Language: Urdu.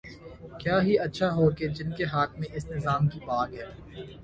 کیا ہی اچھا ہو کہ جن کے ہاتھ میں اس نظام کی باگ ہے۔